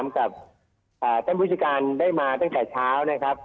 กับท่านผู้จัดการได้มาตั้งแต่เช้านะครับ